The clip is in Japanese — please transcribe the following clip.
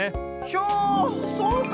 ひょそうか！